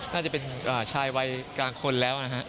น่าจะเป็นชายวัยกลางคนแล้วนะฮะ